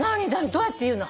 どうやって言うの？